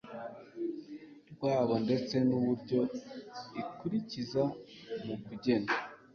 rwabyo ndetse n uburyo ikurikiza mu kugena